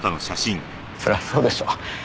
そりゃそうでしょ。